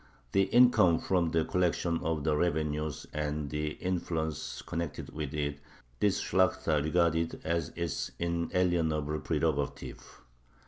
The income from the collection of the revenues and the influence connected with it this Shlakhta regarded as its inalienable prerogative.